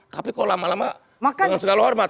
tapi kok lama lama dengan segala hormat